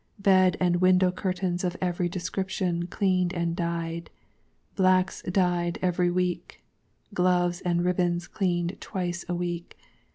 Bed and Window Curtains of every description Cleaned and Dyed. Blacks Dyed every Week. Gloves and Ribbons Cleaned Twice a Week.